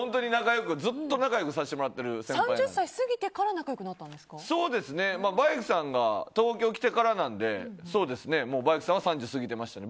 ずっと仲良くさせてもらってる３０歳過ぎてからバイクさんが東京来てからなのでバイクさんは３０過ぎてましたね。